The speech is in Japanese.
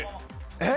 えっ？